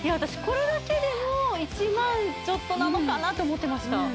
これだけでも１万ちょっとなのかなと思ってました